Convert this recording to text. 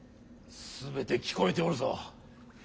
全て聞こえておるぞ。